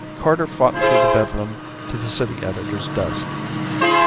Carter fought through the bedlam to the city editor's desk.